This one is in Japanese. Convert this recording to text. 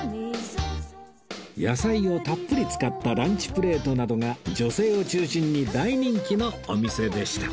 野菜をたっぷり使ったランチプレートなどが女性を中心に大人気のお店でした